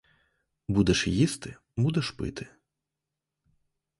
Будеш їсти, будеш пити